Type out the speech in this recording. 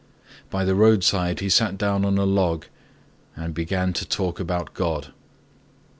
By the roadside he sat down on a log and began to talk about God.